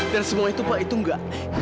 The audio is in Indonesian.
dan semua itu pak itu enggak